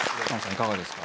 いかがですか？